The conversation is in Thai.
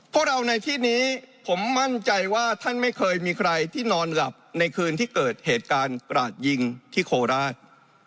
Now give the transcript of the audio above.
พวกเราในที่นี้ผมมั่นใจว่าท่านไม่เคยมีใครที่นอนหลับในคืนที่เกิดเหตุการณ์กราดยิงที่โคราช